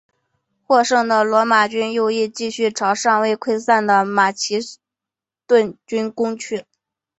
获胜的罗马军右翼继续朝尚未溃散的马其顿军攻去。